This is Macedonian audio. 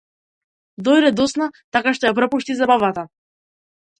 Дојде доцна така што ја пропушти забавата.